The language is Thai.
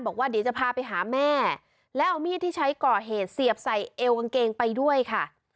บอกว่าเดี๋ยวจะพาไปหาแม่แล้วเอามีดที่ใช้ก่อเหตุเสียบใส่เอวกางเกงไปด้วยค่ะ